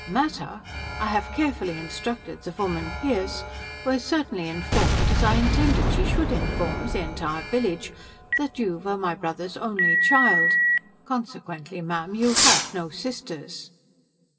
"Matter? I have carefully instructed the woman Pearce, who has certainly informed, as I intended she should inform, the entire village, that you were my brother's only child. Consequently, ma'am, you have no sisters."